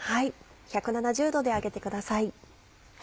１７０℃で揚げてください。